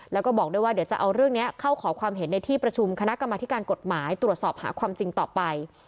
แล้วก็บอกด้วยว่าเดี๋ยวจะเอาเรื่องนี้เข้าขอความเห็นในที่ประชุมคณะกรรมธิการกฎหมายตรวจสอบหาความจริงต่อไป